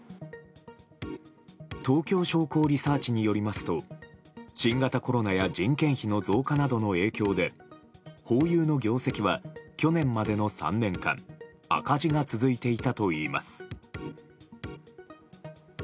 東京商工リサーチによりますと新型コロナや人件費の増加などの影響でホーユーの業績は去年までの３年間赤字が続いていたといいます。